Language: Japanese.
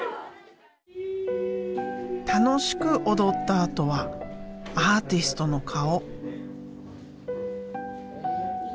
楽しく踊ったあとはアーティストの顔。